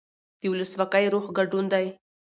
د ولسواکۍ روح ګډون دی